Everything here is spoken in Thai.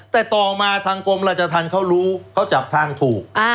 แต่ต่อมาทางกรมราชธรรมเขารู้เขาจับทางถูก